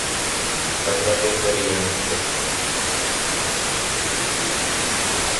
But what is the real incident?